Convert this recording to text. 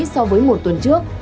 so với một tuần trước